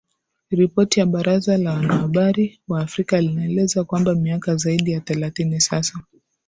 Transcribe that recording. Ripoti ya baraza la wanahabari wa Afrika linaeleza kwamba miaka zaidi ya thelathini sasa